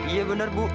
iya bener bu